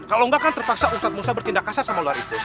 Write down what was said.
kalau nggak kan terpaksa ustadz musa bertindak kasar sama ular itu